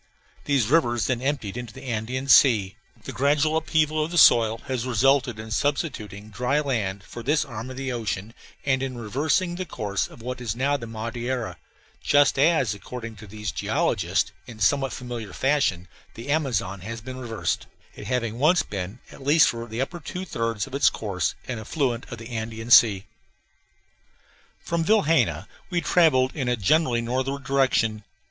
These rivers then emptied into the Andean Sea. The gradual upheaval of the soil has resulted in substituting dry land for this arm of the ocean and in reversing the course of what is now the Madeira, just as, according to these geologists, in somewhat familiar fashion the Amazon has been reversed, it having once been, at least for the upper two thirds of its course, an affluent of the Andean Sea. From Vilhena we travelled in a generally northward direction.